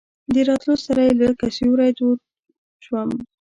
د راتلو سره یې لکه سیوری دود شم.